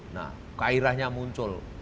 nah kairahnya muncul